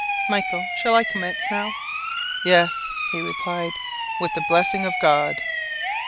Michael, shall I commence now?" "Yes," he replied, "with the blessing of God!"